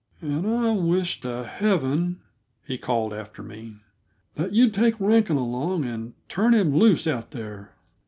"And I wish to Heaven," he called after me, "that you'd take Rankin along and turn him loose out there.